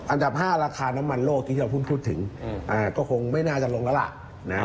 อันดับ๕ราคาน้ำมันโลกที่เราพูดถึงก็คงไม่น่าจะลงแล้วล่ะนะครับ